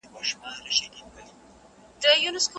حنفي فقه د ذمیانو لپاره د ژوند حق مني.